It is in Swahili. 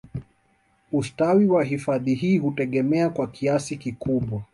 Ustawi wa hifadhi hii hutegemea kwa kiasi kikubwa